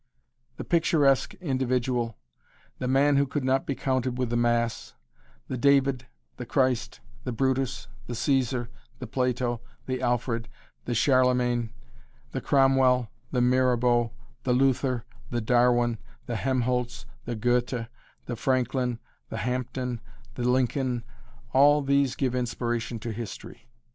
The picturesque individual, the man who could not be counted with the mass, the David, the Christ, the Brutus, the Caesar, the Plato, the Alfred, the Charlemagne, the Cromwell, the Mirabeau, the Luther, the Darwin, the Helmholtz, the Goethe, the Franklin, the Hampden, the Lincoln, all these give inspiration to history.